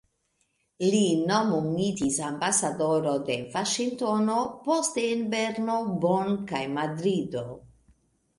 Li nomumitis ambasadoro en Vaŝingtono, poste en Berno, Bonn kaj Madrido.